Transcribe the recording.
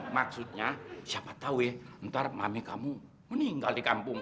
maksudnya siapa tahu ya ntar mami kamu meninggal di kampung